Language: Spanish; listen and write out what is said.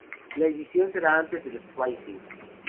La edición se da antes del splicing.